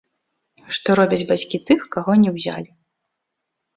Што робяць бацькі тых, каго не ўзялі.